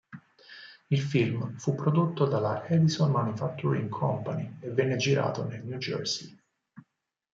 Il film fu prodotto dalla Edison Manufacturing Company e venne girato nel New Jersey.